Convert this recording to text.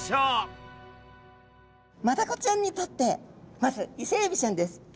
マダコちゃんにとってまずイセエビちゃんです。